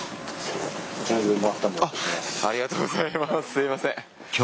すいません。